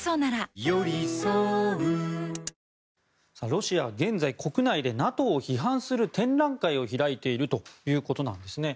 ロシアは現在国内でＮＡＴＯを批判する展覧会を開いているということなんですね。